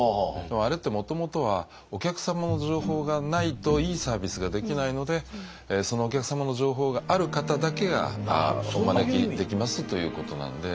あれってもともとはお客様の情報がないといいサービスができないのでそのお客様の情報がある方だけがお招きできますということなんで。